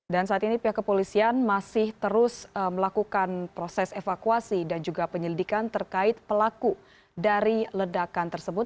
dan saat ini pihak kepolisian masih terus melakukan proses evakuasi dan juga penyelidikan terkait pelaku dari ledakan tersebut